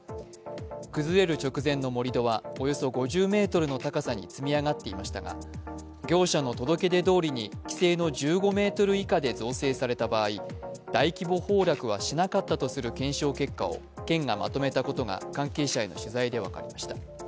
崩れる直前の盛り土はおよそ５０ｍの高さに積み上がっていましたが業者の届け出どおりに規制の１５ｍ以下で造成された場合、大規模崩落はしなかったとする検証結果を県がまとめたことが関係者への取材で分かりました。